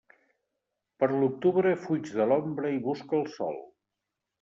Per l'octubre fuig de l'ombra i busca el sol.